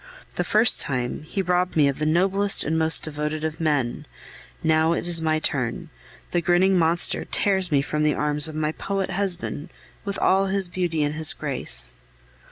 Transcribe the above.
The first time, he robbed me of the noblest and most devoted of men; now it is my turn, the grinning monster tears me from the arms of my poet husband, with all his beauty and his grace.